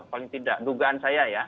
paling tidak dugaan saya ya